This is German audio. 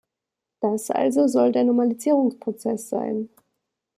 Das also soll der Normalisierungsprozess sein!